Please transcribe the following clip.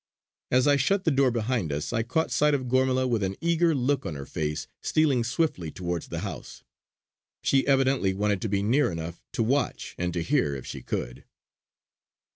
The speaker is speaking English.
As I shut the door behind us, I caught sight of Gormala with an eager look on her face stealing swiftly towards the house. She evidently wanted to be near enough to watch, and to hear if she could.